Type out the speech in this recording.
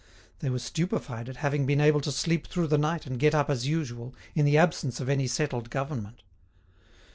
They were stupefied at having been able to sleep through the night and get up as usual, in the absence of any settled government.